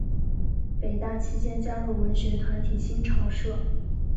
北大期间加入文学团体新潮社。